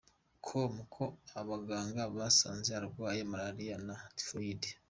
com ko abaganga basanze arwaye malariya na Typhoid.